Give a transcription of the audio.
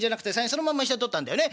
そのまま下に取ったんだよね。